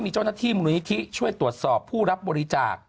มีเจ้าหน้าที่มูลนิธิช่วยตรวจสอบผู้รับบริจาค